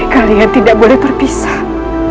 kalian tidak boleh berpisah